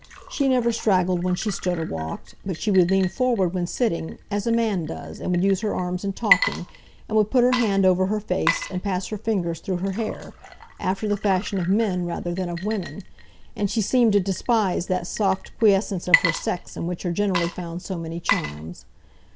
She never straggled when she stood or walked; but she would lean forward when sitting, as a man does, and would use her arms in talking, and would put her hand over her face, and pass her fingers through her hair, after the fashion of men rather than of women; and she seemed to despise that soft quiescence of her sex in which are generally found so many charms.